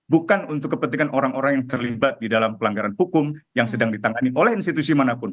bukan untuk kepentingan orang orang yang terlibat di dalam pelanggaran hukum yang sedang ditangani oleh institusi manapun